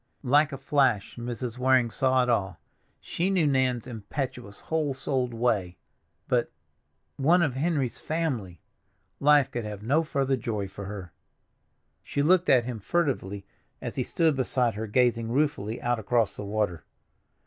Like a flash Mrs. Waring saw it all. She knew Nan's impetuous, whole souled way; but—One of Henry's family! Life could have no further joy for her. She looked at him furtively as he stood beside her gazing ruefully out across the water.